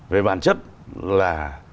về bản chất là